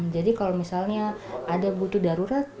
jadi kalau misalnya ada butuh darurat